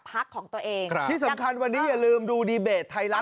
พักของตัวเองครับที่สำคัญวันนี้อย่าลืมดูดีเบตไทยรัฐ